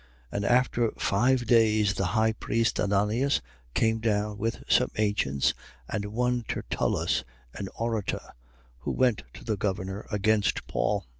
24:1. And after five days, the high priest, Ananias, came down with some ancients and one Tertullus, an orator, who went to the governor against Paul.